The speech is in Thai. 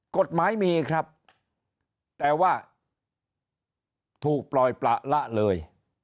กฎหมายมีครับแต่ว่าถูกปล่อยประละเลย